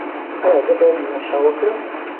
ایا زه باید نشه وکړم؟